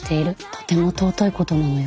とても尊いことなのよ。